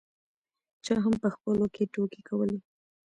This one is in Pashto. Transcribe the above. چا هم په خپلو کې ټوکې کولې.